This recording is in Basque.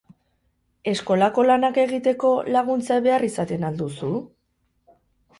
Eskolako lanak egiteko laguntza behar al izaten duzu?